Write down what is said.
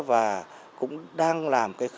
và cũng đang làm cái khánh thành